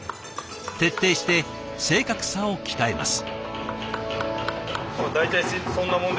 徹底して正確さを鍛えます。